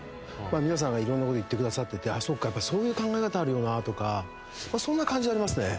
皆さんがいろんな事言ってくださっててああそうかやっぱそういう考え方あるよなとかそんな感じはありますね。